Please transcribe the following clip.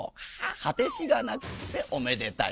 「はてしがなくっておめでたい」。